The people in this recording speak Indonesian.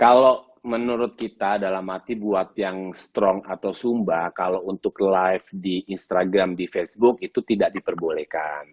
kalau menurut kita dalam arti buat yang strong atau sumba kalau untuk live di instagram di facebook itu tidak diperbolehkan